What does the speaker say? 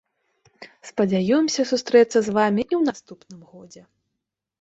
Спадзяёмся сустрэцца з вамі і ў наступным годзе.